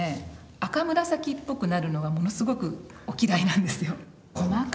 赤紫っぽくなるのがものすごくお嫌いなんですよ。